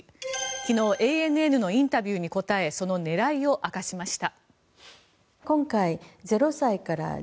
昨日ＡＮＮのインタビューに答えその狙いを明かしました。